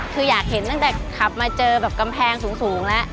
คืออยากเห็นตั้งแต่ขับมาเจอแบบกำแพงสูงแล้ว